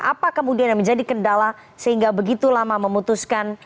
apa kemudian yang menjadi kendala sehingga begitu lama memutuskan